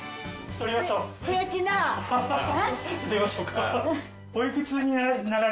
とりましょうか。